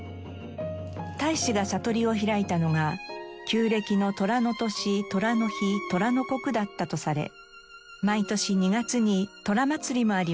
太子が悟りを開いたのが旧暦の寅の年寅の日寅の刻だったとされ毎年２月に寅まつりもあります。